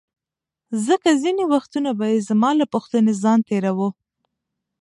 ځکه ځیني وختونه به یې زما له پوښتنې ځان تیراوه.